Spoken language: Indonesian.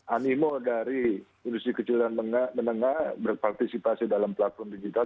animo dari industri kecil dan menengah berpartisipasi dalam platform digital